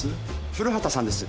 古畑さんです。